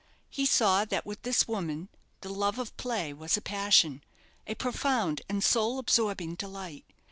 He saw that with this woman the love of play was a passion: a profound and soul absorbing delight.